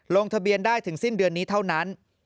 ลงทะเบียนได้ถึงสิ้นเดือนนี้เท่านั้น